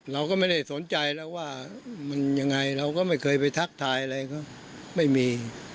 เราก็ไม่ได้สนใจแล้วว่ามันยังไงเราก็ไม่เคยไปทักทายอะไรเขาไม่มี